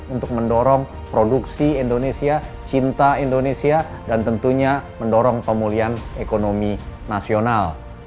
untuk mendorong produksi indonesia cinta indonesia dan tentunya mendorong pemulihan ekonomi nasional